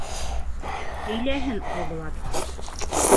— Һөйләһен Айбулат.